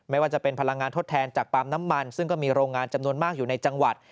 ไม่ว่าจะเป็นพลังงานทดแทนจากปั๊มน้ำมันซึ่งก็มีโรงงานจำนวนมากอยู่ในจังหวัด